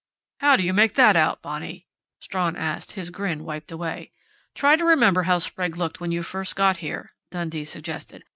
"How do you make that out, Bonnie?" Strawn asked, his grin wiped away. "Try to remember how Sprague looked when you first got here," Dundee suggested.